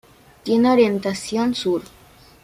Tiene orientación sur.